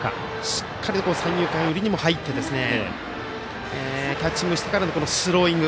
しっかり三遊間にも入ってキャッチングしてからのスローイング。